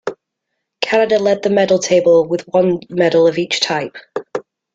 Canada led the medal table with one medal of each type.